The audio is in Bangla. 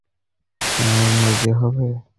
তোমার উন্নতি হবে?